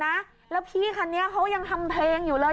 อย่าเบรกนะแล้วพี่คันนี้เขายังทำเพลงอยู่เลย